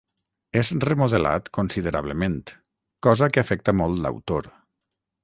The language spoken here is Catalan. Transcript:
És remodelat considerablement, cosa que afecta molt l'autor.